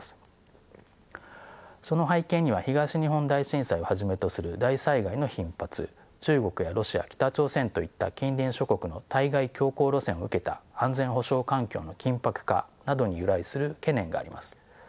その背景には東日本大震災をはじめとする大災害の頻発中国やロシア北朝鮮といった近隣諸国の対外強硬路線を受けた安全保障環境の緊迫化などに由来する懸念があります。